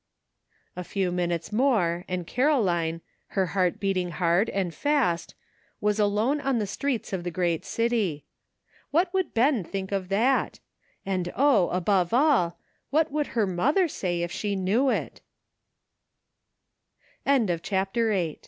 A few minutes more and Caroline, her heart beating hard and fast, was alone on the streets of the great city. What would Ben think of that? And oh! above all, what would her mother say if she knew it ? CHAPTER IX. WAITING.